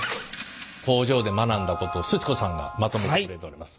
工場で学んだことをすち子さんがまとめてくれております。